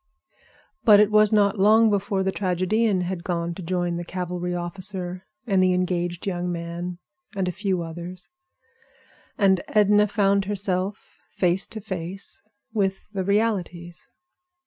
But it was not long before the tragedian had gone to join the cavalry officer and the engaged young man and a few others; and Edna found herself face to face with the realities.